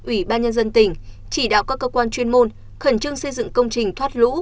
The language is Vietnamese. ủy ban nhân dân tỉnh chỉ đạo các cơ quan chuyên môn khẩn trương xây dựng công trình thoát lũ